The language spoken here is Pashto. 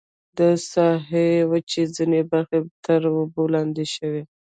د ساحې وچې ځینې برخې تر اوبو لاندې شوې.